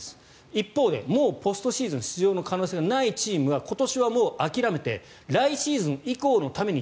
一方で、もうポストシーズン出場の可能性がないチームは今年はもう諦めて来シーズン以降のために